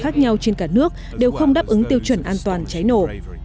khác nhau trên cả nước đều không đáp ứng tiêu chuẩn an toàn cháy nổ